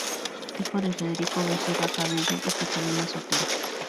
Hijo de Federico Becerra Cabello y Catalina Sotero.